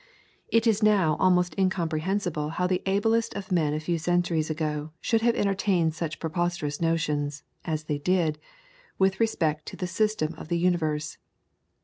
It is now almost incomprehensible how the ablest men of a few centuries ago should have entertained such preposterous notions, as they did, with respect to the system of the universe.